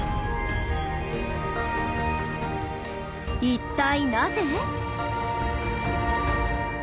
一体なぜ？